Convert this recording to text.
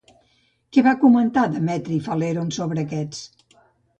Què va comentar Demetri de Falèron sobre aquests?